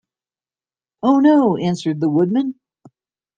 "Oh, no;" answered the Woodman.